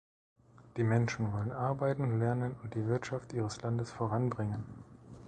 Die Menschen wollen arbeiten, lernen und die Wirtschaft ihres Landes voranbringen.